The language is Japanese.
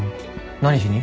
何しに？